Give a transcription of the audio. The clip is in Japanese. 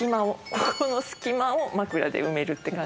ここの隙間を枕で埋めるって感じ。